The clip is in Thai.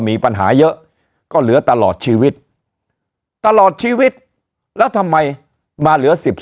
มีปัญหาเยอะก็เหลือตลอดชีวิตตลอดชีวิตแล้วทำไมมาเหลือ๑๒